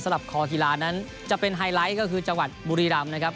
สำหรับคอฮีลานั้นจะเป็นไฮไลท์ก็คือจังหวัดบุรีรัมณ์นะครับ